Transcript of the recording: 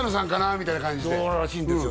みたいな感じでそうらしいんですよ